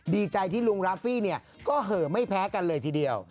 ดีใจที่ลุงรัฟฟี่ก็เหอะไม่แพ้กันเลยทีเดียว